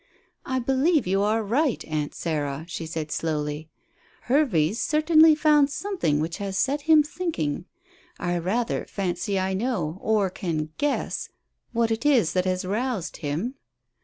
"I believe you are right, Aunt Sarah," she said slowly. "Hervey's certainly found something which has set him thinking. I rather fancy I know or can guess what it is that has roused him."